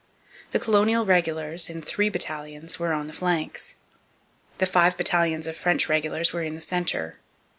The colonial regulars, in three battalions, were on the flanks. The five battalions of French regulars were in the centre.